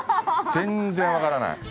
全然分からない。